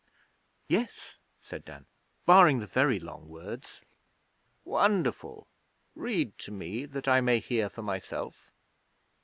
'Yes,' said Dan, 'barring the very long words.' 'Wonderful! Read to me, that I may hear for myself.'